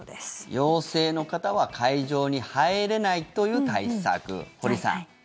陽性の方は会場に入れないという対策。